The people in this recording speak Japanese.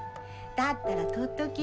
だったら取っとき。